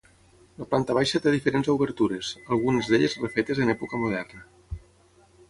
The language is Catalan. La planta baixa té diferents obertures, algunes d'elles refetes en època moderna.